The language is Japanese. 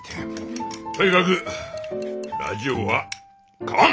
とにかくラジオは買わん！